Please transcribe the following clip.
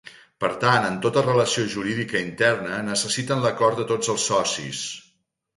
Per tant en tota relació jurídica interna necessiten l'acord de tots els socis.